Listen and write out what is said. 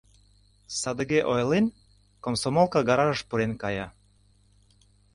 Садыге ойлен, комсомолка гаражыш пурен кая.